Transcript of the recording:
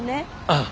ああ。